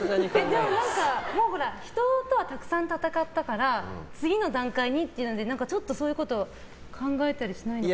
でも、人とはたくさん戦ったから次の段階にっていうのでちょっとそういうこと考えたりしないんですか。